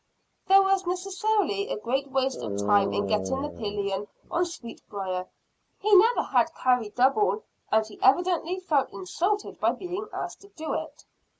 There was necessarily a great waste of time in getting the pillion on Sweetbriar. He never had carried double, and he evidently felt insulted by being asked to do it.